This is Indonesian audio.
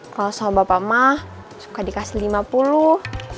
kalau sama bapak mah suka dikasih lima puluh